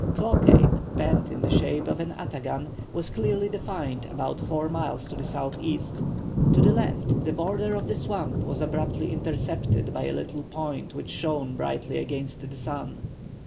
Claw Cape, bent in the shape of an ataghan, was clearly defined about four miles to the southeast. To the left, the border of the swamp was abruptly intercepted by a little point which shone brightly against the sun.